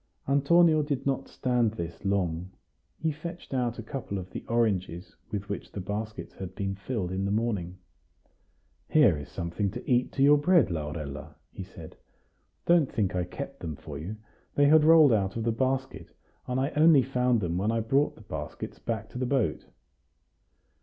Antonio did not stand this long; he fetched out a couple of the oranges with which the baskets had been filled in the morning. "Here is something to eat to your bread, Laurella," he said. "Don't think I kept them for you; they had rolled out of the basket, and I only found them when I brought the baskets back to the boat."